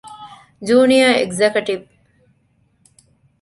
ޖޫނިއަރ އެގްޒެކަޓިވް